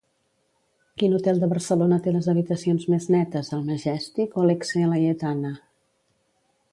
Quin hotel de Barcelona té les habitacions més netes el Majèstic o l'Exe Laietana?